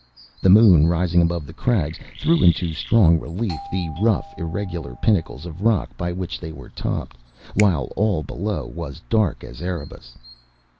The moon, rising above the crags, threw into strong relief the rough, irregular pinnacles of rock by which they were topped, while all below was dark as Erebus.